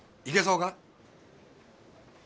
行けそうか？